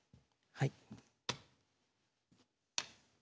はい。